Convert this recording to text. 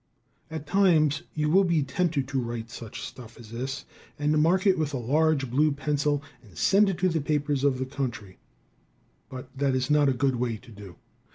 At times you will be tempted to write such stuff as this, and mark it with a large blue pencil and send it to the papers of the country, but that is not a good way to do.